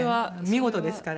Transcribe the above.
見事ですから。